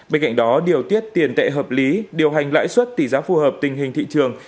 bên cạnh đó điều tiết tiền tệ hợp lý điều hành lãi suất tỷ giá phù hợp tình hình thị trường